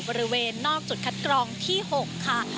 บริเวณนอกจุดคัดกรองที่๖ค่ะ